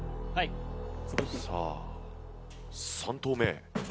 さあ３投目。